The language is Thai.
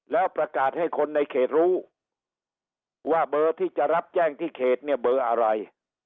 แล้วประกาศให้คนในเขตรู้ว่าเบอร์ที่จะรับแจ้งที่เขตเนี่ยเบอร์อะไร